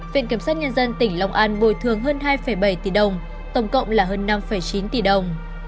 viện kiểm sát nhân dân tỉnh long an bồi thường hơn hai bảy tỷ đồng tổng cộng là hơn năm chín tỷ đồng